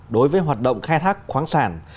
đối với hoạt động khai thác khoáng sản